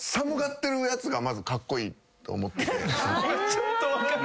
ちょっと分かる。